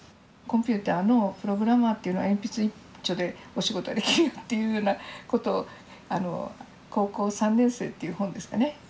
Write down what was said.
コンピューターのプログラマーというのは鉛筆１丁でお仕事ができるよというようなことを「高校３年生」という本ですかね